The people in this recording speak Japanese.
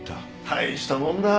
大したもんだ。